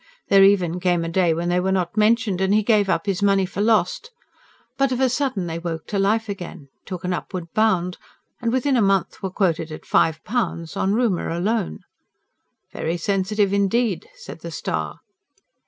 There even came a day when they were not mentioned; and he gave up his money for lost. But of a sudden they woke to life again, took an upward bound, and within a month were quoted at five pounds on rumour alone. "Very sensitive indeed," said the STAR.